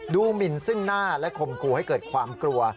หมินซึ่งหน้าและคมครูให้เกิดความกลัว